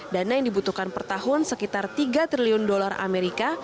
dana yang dibutuhkan per tahun sekitar tiga triliun dolar amerika